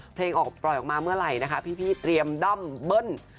ออกปล่อยออกมาเมื่อไหร่นะคะพี่เตรียมด้อมเบิ้ล